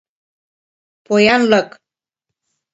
Поянлык!